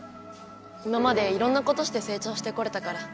今までいろんなことしてせい長してこれたから。